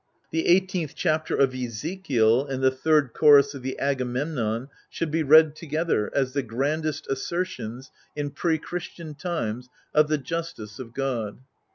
The eighteenth chapter of Ezekiel, and the third chorus of the Agamemnon, should be read together, as the grandest assertions, in pre Christian times, of the justice of God.